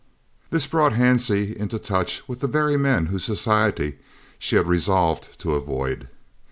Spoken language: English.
This brought Hansie into touch with the very men whose society she had resolved to avoid.